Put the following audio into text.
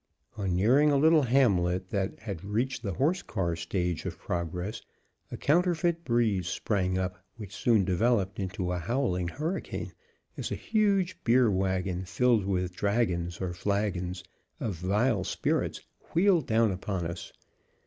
On nearing a little hamlet that had reached the horse car stage of progress a counterfeit breeze sprang up which soon developed into a howling hurricane, as a huge beer wagon filled with dragons, or flagons of vile spirits wheeled down upon us.